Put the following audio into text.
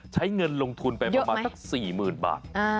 ใช้เงินลงทุนไปประมาณสัก๔๐๐๐บาท